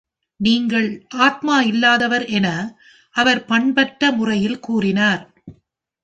நீங்கள் ஆத்மா இல்லாதவர், என அவர் பண்பற்ற முறையில் கூறினார்.